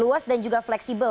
luas dan juga fleksibel